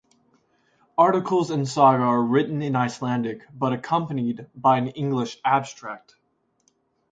Articles in "Saga" are written in Icelandic but accompanied by an English abstract.